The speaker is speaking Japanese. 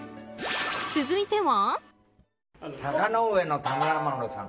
続いては。